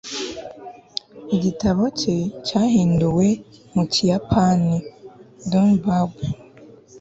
igitabo cye cyahinduwe mu kiyapani. (dunbab